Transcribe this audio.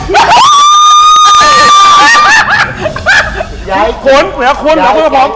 ยังยิงยาวปะกะเป่ายิงช็อป